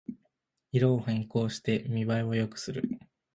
色を変更して見ばえを良くする